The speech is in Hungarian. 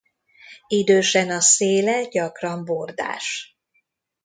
Idősen a széle gyakran bordás.